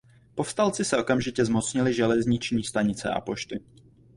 Povstalci se okamžitě zmocnili železniční stanice a pošty.